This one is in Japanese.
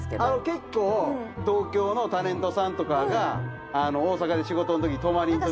結構東京のタレントさんとかが大阪で仕事泊まりのときに。